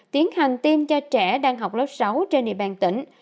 tiến hành tiêm cho trẻ đang học lớp sáu trên địa bàn tỉnh